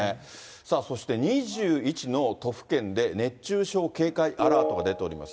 さあ、そして２１の都府県で、熱中症警戒アラートが出ております。